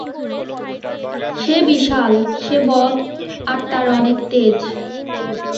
সে বিশাল, সে বদ, আর তার অনেক তেজ।